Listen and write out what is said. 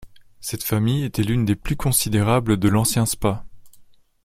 Cette famille était l’une des plus considérables de l’ancien Spa.